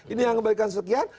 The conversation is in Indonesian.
ini yang dikembalikan sekian